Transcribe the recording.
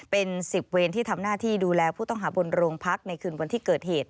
เป็น๑๐เวรที่ทำหน้าที่ดูแลผู้ต้องหาบนโรงพักในคืนวันที่เกิดเหตุ